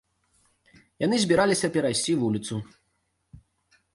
Яны збіраліся перайсці вуліцу.